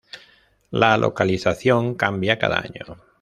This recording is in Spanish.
La localización cambia cada año.